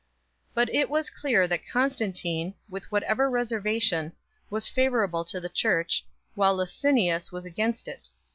But it was clear that Constantine, with whatever reser vation, was favourable to the Church, while Licinius was against it.